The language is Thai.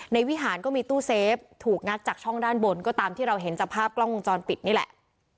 วิหารก็มีตู้เซฟถูกงัดจากช่องด้านบนก็ตามที่เราเห็นจากภาพกล้องวงจรปิดนี่แหละ